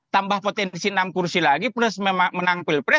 tambah potensi enam kursi lagi plus menang pilpres